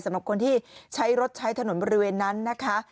สำหรับคนที่ใช้รถใช้ถนนบริเวณนั้นนะคะ